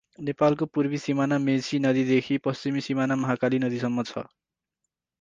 नेपालको पूर्वी सीमाना मेची नदीदेखि पश्चिमी सीमाना महाकाली नदीसम्म छ ।